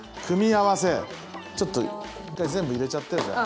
ちょっと一回全部入れちゃってじゃあ。